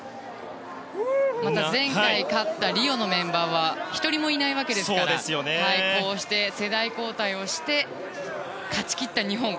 前回勝ったリオのメンバーは１人もいないわけですからこうして世代交代をして勝ち切った日本。